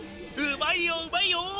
うまいようまいよ！